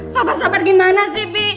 sabar sabar gimana sih fi